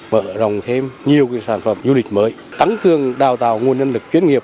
mở rộng thêm nhiều sản phẩm du lịch mới tăng cương đào tạo nguồn nhân lực chuyên nghiệp